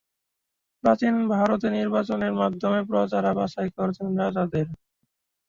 প্রাচীন ভারতে নির্বাচনের মাধ্যমে প্রজারা বাছাই করতেন রাজাদের।